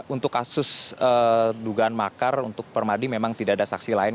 untuk kasus dugaan makar untuk permadi memang tidak ada saksi lain